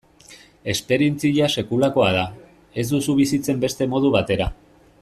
Esperientzia sekulakoa da, ez duzu bizitzen beste modu batera.